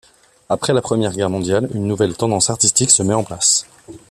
Après la première guerre mondiale une nouvelle tendance artistique se met en place.